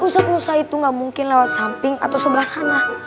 ustadz musa itu gak mungkin lewat samping atau sebelah sana